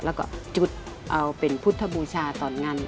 แล้วก็จุดเอาเป็นพุทธบูชาต่องาน